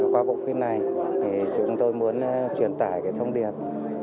qua bộ phim này thì chúng tôi muốn truyền tải cái thông điệp